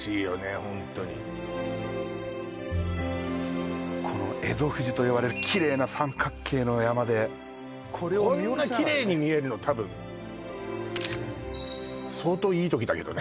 ホントにこの蝦夷富士といわれるキレイな三角形の山でこんなキレイに見えるの多分相当いい時だけどね